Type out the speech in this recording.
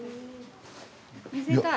見せたい！